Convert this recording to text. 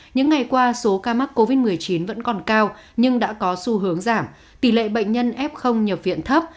những ngày qua số ca mắc covid một mươi chín vẫn còn cao nhưng đã có xu hướng giảm tỷ lệ bệnh nhân f nhập viện thấp